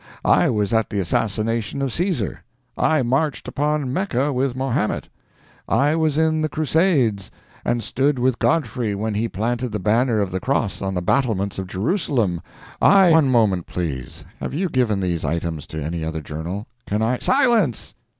I was at the assassination of Caesar. I marched upon Mecca with Mahomet. I was in the Crusades, and stood with Godfrey when he planted the banner of the cross on the battlements of Jerusalem. I " "One moment, please. Have you given these items to any other journal? Can I " "Silence.